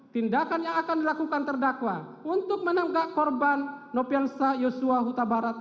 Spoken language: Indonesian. tindakan yang akan dilakukan terdakwa untuk menembak korban nopiansa yosua kutabarat